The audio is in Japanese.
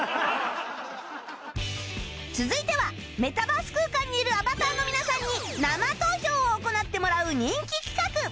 続いてはメタバース空間にいるアバターの皆さんに生投票を行ってもらう人気企画